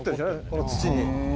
この土に。